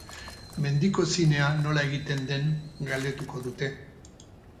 Mendiko zinea nola egiten den galdetuko dute.